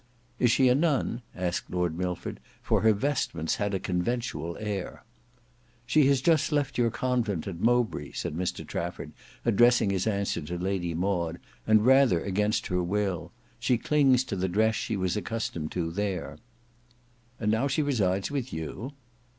"Is she a nun?" asked Lord Milford, "for her vestments had a conventual air." "She has just left your convent at Mowbray," said Mr Trafford, addressing his answer to Lady Maud, "and rather against her will. She clings to the dress she was accustomed to there." "And now she resides with you?"